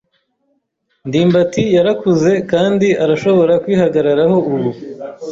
ndimbati yarakuze kandi arashobora kwihagararaho ubu.